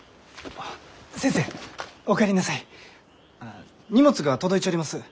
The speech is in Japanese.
あ荷物が届いちょります。